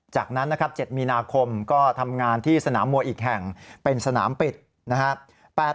จากนั้นนะครับ๗มีนาคมก็ทำงานที่สนามมวยอีกแห่งเป็นสนามปิดนะครับ